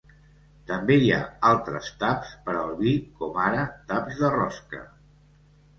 També hi ha altres taps per al vi, com ara taps de rosca.